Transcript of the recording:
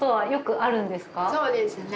そうですね。